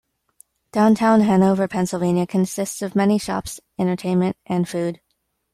Downtown Hanover, Pa consists of many shops, entertainment, and food.